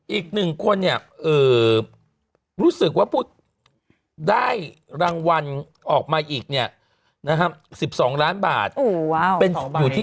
อีก๑คนเนี่ยรู้สึกว่าได้รางวัลออกมาอีกเนี่ยนะฮะ๑๒ล้านบาทเป็นอยู่ที่